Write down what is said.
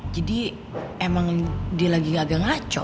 jadi emang dia lagi agak ngacau